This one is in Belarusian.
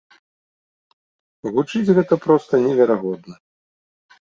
Гучыць гэта проста неверагодна.